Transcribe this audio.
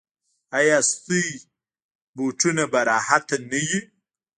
ایا ستاسو بوټونه به راحت نه وي؟